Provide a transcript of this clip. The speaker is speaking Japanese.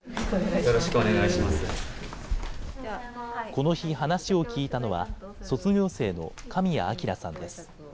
この日、話を聞いたのは、卒業生の神谷輝さんです。